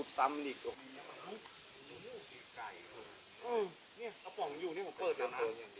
ปิดหน้าอาทิตย์ปล่อยแล้วเอาน้ำมา